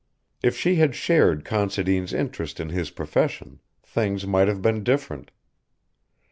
If she had shared Considine's interest in his profession things might have been different.